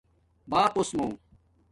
باپُوس مُو